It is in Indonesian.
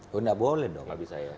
tidak boleh dong